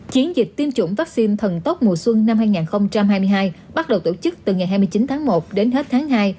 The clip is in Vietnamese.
chiến dịch tiêm chủng vaccine thần tốc mùa xuân năm hai nghìn hai mươi hai bắt đầu tổ chức từ ngày hai mươi chín tháng một đến hết tháng hai